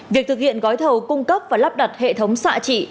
việc thực hiện gói thầu cung cấp và lắp đặt hệ thống xạ trị